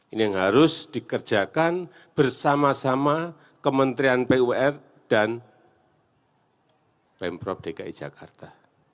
ini yang harus dikerjakan bersama sama kementerian pur dan pemprov dki jakarta